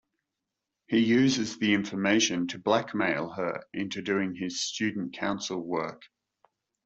He uses the information to blackmail her into doing his student council work.